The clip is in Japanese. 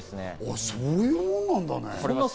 そういうものなんだね。